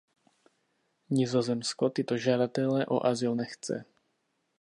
Nizozemsko tyto žadatele o azyl nechce.